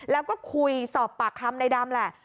แล้วก็คุยสอบปากคำในดำแหละ